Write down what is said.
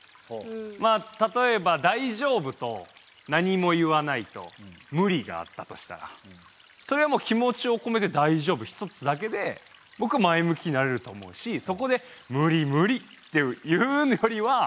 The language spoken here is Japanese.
まあ例えば「大丈夫」と「なにも言わない」と「無理」があったとしたらそれはもう気持ちをこめて「大丈夫」ひとつだけで僕は前向きになれると思うしそこで「無理無理」って言うよりはめちゃくちゃいい。